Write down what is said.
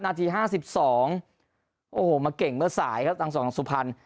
นาที๕๒โอ้โหมาเก่งเมื่อสายครับทางสองสุพรรณ